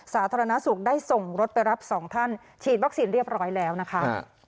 สาธารณสุขได้ส่งรถไปรับสองท่านฉีดวัคซีนเรียบร้อยแล้วนะคะ